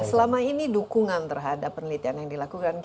selama ini dukungan terhadap penelitian yang dilakukan